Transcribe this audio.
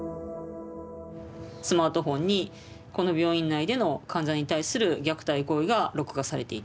スマートフォンにこの病院内での患者に対する虐待行為が録画されていて。